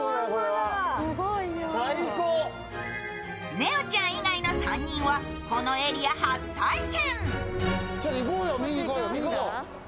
ねおちゃん以外の３人はこのエリア初体験。